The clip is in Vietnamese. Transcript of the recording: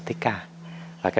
như kiểu miền nam ạ